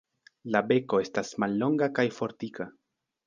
La beko estas mallonga kaj fortika.